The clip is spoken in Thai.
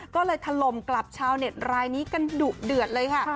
ก็เลยถล่มกลับชาวเน็ตรายนี้กันดุเดือดเลยค่ะ